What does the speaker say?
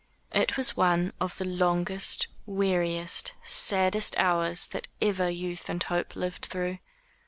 It was one of the longest, weariest, saddest hours that ever youth and hope lived through.